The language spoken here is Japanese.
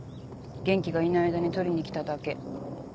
元気がいない間に取りにきただけ。